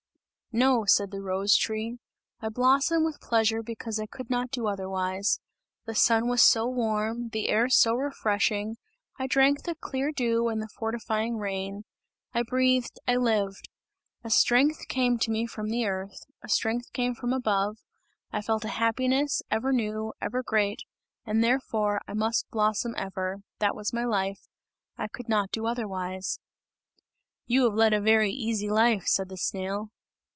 "No," said the rose tree, "I blossom with pleasure because I could not do otherwise. The sun was so warm, the air so refreshing, I drank the clear dew and the fortifying rain; I breathed, I lived! A strength came to me from the earth, a strength came from above, I felt a happiness, ever new, ever great and therefore I must blossom ever, that was my life, I could not do otherwise!" "You have led a very easy life!" said the snail.